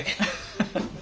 ハハハ。